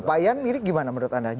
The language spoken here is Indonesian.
pak ian mirip gimana menurut anda